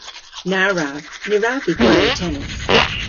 Na wrav. Ny wrav vy gwari tennis.